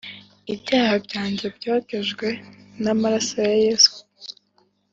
Ibyaha byanjye byogejwe n’amaraso ya Yesu